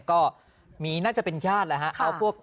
รถเพื่อจะส่งฝากขังเนี่ยก็มีน่าจะเป็นญาติแล้วฮะเอาพวก